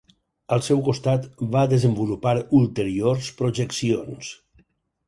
Al seu costat, va desenvolupar ulteriors projeccions.